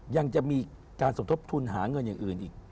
ยังจะมีการสมทบทุนหาเงินอย่างอื่นอีก